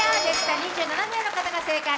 ２７名の方が正解。